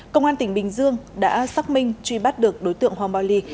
công an tỉnh bình dương đã xác minh truy bắt được đối tượng hoàng bảo lý